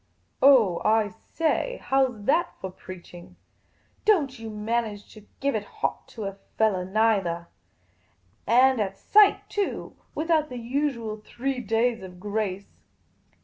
" Oh, I say; how 's that for preaching ? Don't you man age to give it hot to a fellah, neithah! And at sight, too, without the usual three days of grace.